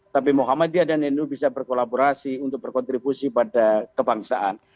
tapi muhammadiyah dan nu bisa berkolaborasi untuk berkontribusi pada kebangsaan